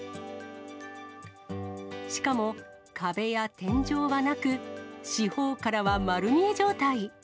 しかも、壁や天井はなく、四方からはまる見え状態。